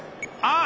あ！